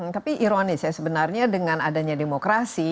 tapi ironis ya sebenarnya dengan adanya demokrasi